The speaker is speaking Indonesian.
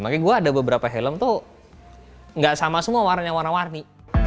makanya gue ada beberapa helm tuh gak sama semua warnanya warna warni